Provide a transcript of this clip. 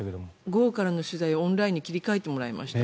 午後からの取材をオンラインに切り替えてもらいました。